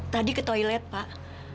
tadi ke toilet pak